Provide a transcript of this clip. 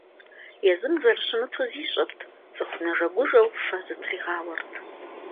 Езым зэрыщымыту зищӀырт, цӀыху нэжэгужэу фэ зытригъауэрт.